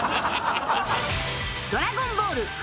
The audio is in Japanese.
『ドラゴンボール』